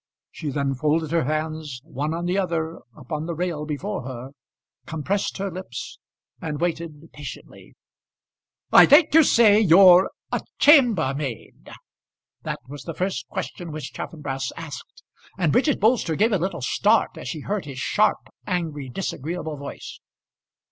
She then folded her hands one on the other upon the rail before her, compressed her lips, and waited patiently. "I think you say you're a chambermaid?" That was the first question which Chaffanbrass asked, and Bridget Bolster gave a little start as she heard his sharp, angry, disagreeable voice.